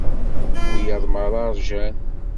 Wiyaḍ merra rjan.